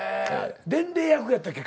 伝令役やったっけ？